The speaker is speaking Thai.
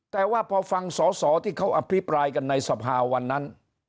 แต่ว่าพอฟังสอสอที่เขาอภิปรายกันในสภาวันนั้น